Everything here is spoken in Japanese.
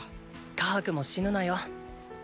カハクも死ぬなよ。